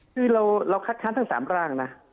คือเราคัดค้านทั้ง๓ร่างนะ